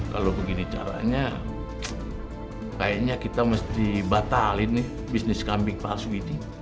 kalau begini caranya kayaknya kita mesti batalin nih bisnis kambing palsu ini